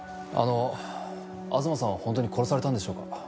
あの東さんは本当に殺されたんでしょうか？